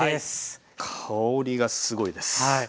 香りがすごいです。